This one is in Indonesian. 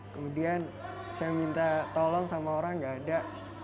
kemudian saya minta tolong sama orang gak ada